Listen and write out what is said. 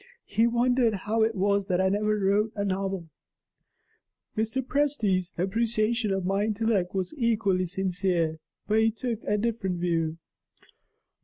He wondered how it was that I never wrote a novel. Mr. Presty's appreciation of my intellect was equally sincere; but he took a different view.